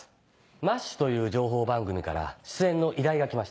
『マッシュ』という情報番組から出演の依頼が来ました。